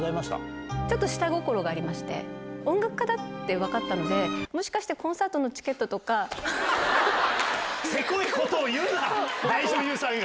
ちょっと下心がありまして、音楽家だって分かったので、もしかして、コンサートのチケッせこいことを言うな、大女優さんが。